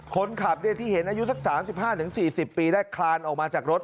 คนขับที่เห็นอายุสัก๓๕๔๐ปีได้คลานออกมาจากรถ